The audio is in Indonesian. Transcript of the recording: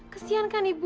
kesian kan ibu